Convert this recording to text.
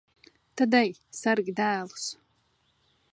Tad ej, sargi dēlus.